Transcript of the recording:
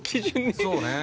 そうね。